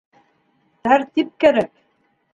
Тәртип кәрәк!